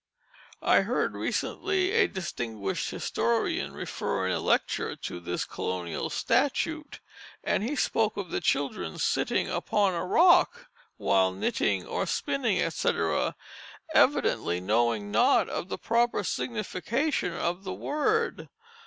I heard recently a distinguished historian refer in a lecture to this colonial statute, and he spoke of the children sitting upon a rock while knitting or spinning, etc., evidently knowing naught of the proper signification of the word.